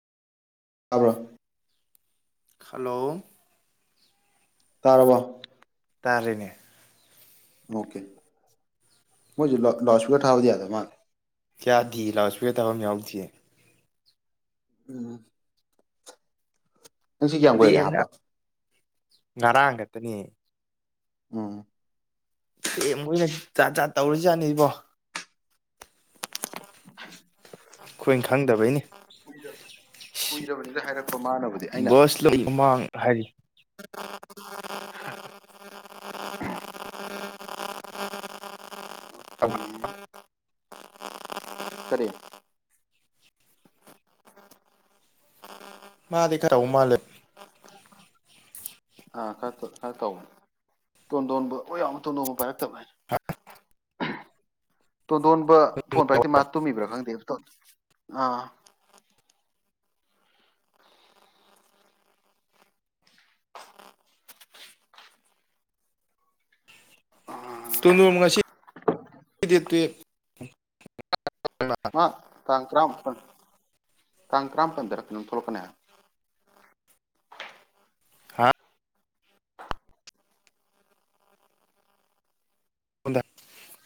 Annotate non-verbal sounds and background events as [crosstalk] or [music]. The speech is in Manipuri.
ꯇꯕ꯭ꯔꯣ ꯍꯂꯣ ꯇꯥꯔꯕ ꯇꯔꯅꯦ ꯑꯣꯀꯦ ꯃꯣꯏ ꯂ ꯂꯆꯄꯒꯔ ꯊꯥꯕꯗꯌꯥꯗ ꯃꯥꯦ ꯀꯌꯥꯗꯤꯤ ꯂꯥꯛꯁꯨꯒꯦ ꯊꯥꯐꯝ ꯌꯥꯎꯗ꯭ꯦ ꯎꯝ ꯅꯪꯁꯤ ꯀꯌꯥꯝ ꯀꯨꯏꯒꯦ ꯍꯥꯞꯄ ꯉꯔꯥꯡꯒꯛꯇꯅꯤ ꯎꯝ ꯑꯦꯦ ꯃꯣꯏꯅ ꯆꯥ ꯆꯥ ꯇꯧꯔꯤꯖꯥꯠꯅꯤꯕꯣ ꯑꯩꯈꯣꯏꯅ ꯈꯪꯗꯕꯩꯅꯦ ꯀꯨꯏꯔꯕꯅꯤꯗ ꯍꯥꯏꯔꯛꯄ ꯃꯥꯅꯕꯨꯗꯤ ꯑꯩꯅ ꯕꯁ ꯂ ꯃꯃꯥꯡ ꯍꯥꯏꯔꯤ ꯑ ꯁꯔꯦ ꯃꯥꯗꯤ ꯈꯔ ꯎ ꯃꯥꯜꯂꯦ ꯑ ꯈꯔ ꯈꯔ ꯇꯧꯕ ꯇꯣꯟꯗꯣꯟꯕ [inaudible] ꯇꯣꯟꯗꯣꯟꯕ ꯄꯥꯏꯔꯛ ꯇꯣꯟꯗꯣꯟꯕ ꯐꯣꯟ ꯄꯥꯏꯔꯛꯇꯦ ꯃꯥ ꯇꯨꯝꯃꯤꯕ꯭ꯔꯥ ꯈꯪꯗꯦ ꯑꯥ [unintelligible] ꯑ ꯇꯥꯡ ꯇꯔꯥꯃꯄꯟ ꯇꯥꯡ ꯇꯔꯥꯃꯥꯄꯟꯗꯔ ꯀꯩꯅꯣꯝ ꯊꯣꯛꯂꯛꯀꯅꯦ ꯍꯥꯏꯃ ꯍꯥ [unintelligible]